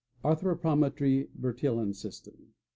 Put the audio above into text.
Anthropometry—Bertillon System.